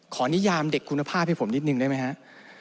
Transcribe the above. นิยามเด็กคุณภาพให้ผมนิดนึงได้ไหมฮะ